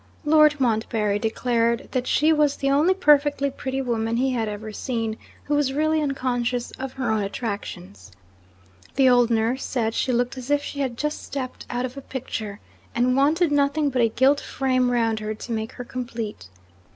Lord Montbarry declared that she was the only perfectly pretty woman he had ever seen, who was really unconscious of her own attractions. The old nurse said she looked as if she had just stepped out of a picture, and wanted nothing but a gilt frame round her to make her complete.